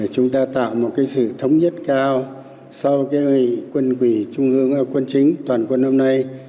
chúng ta tạo một sự thống nhất cao sau quân quỷ quân chính toàn quân hôm nay